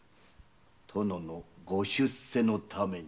殿のご出世のために。